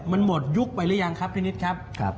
มันหมดยุคไปหรือยังครับพี่นิดครับ